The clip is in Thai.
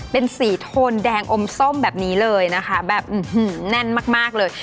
เป็นสีโทนแดงอมส้มแบบนี้เลยนะคะแบบแน่นมากเลย